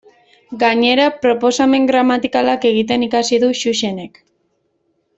Gainera, proposamen gramatikalak egiten ikasi du Xuxenek.